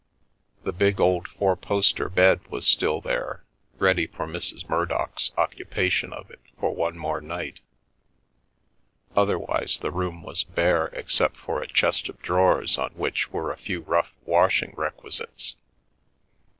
The big old four poster bed was still there, ready for Mrs. Murdochs occupation of it for one more night, otherwise the room was bare except for a chest of drawers on which were a few rough washing requisites.